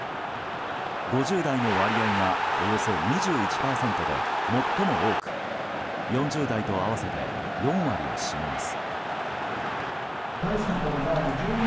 ５０代の割合がおよそ２１％で最も多く４０代と合わせて４割を占めます。